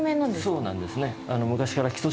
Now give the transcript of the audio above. そうなんですね。